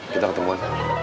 kita ketemu lagi